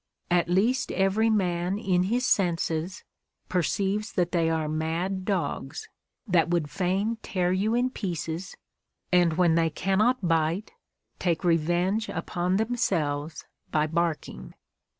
At least every man in his senses, perceives that they are mad dogs, that would fain tear you in pieces, and when they cannot bite, take revenge upon themselves by barking.